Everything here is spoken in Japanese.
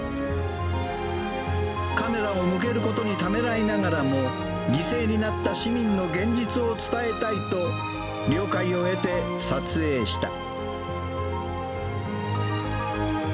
カメラを向けることにためらいながらも、犠牲になった市民の現実を伝えたいと、了解を得て撮影した。